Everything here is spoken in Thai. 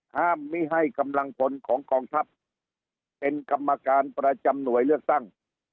มิให้กำลังพลของกองทัพเป็นกรรมการประจำหน่วยเลือกตั้ง